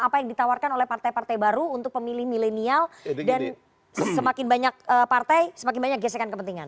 apa yang ditawarkan oleh partai partai baru untuk pemilih milenial dan semakin banyak partai semakin banyak gesekan kepentingan